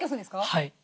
はい。